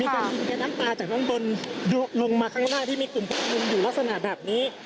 มีการจริงแก๊ดน้ำตาลงมาจากข้างบนดูลงมาข้างหน้าที่มีกลุ่มผู้ชุมนุมอยู่ลักษณะแบบนี้